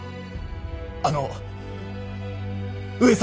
あの上様。